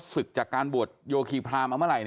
คือจริงแล้วตอนนี้มันต้องถึงเวลาที่พอ